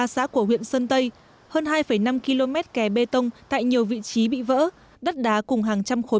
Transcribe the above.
ba xã của huyện sơn tây hơn hai năm km kè bê tông tại nhiều vị trí bị vỡ đất đá cùng hàng trăm khối